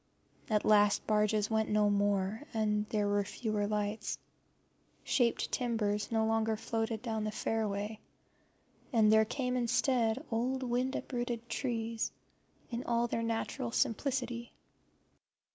At last the barges went no more, and there were fewer lights; shaped timbers no longer floated down the fairway, and there came instead old wind uprooted trees in all their natural simplicity.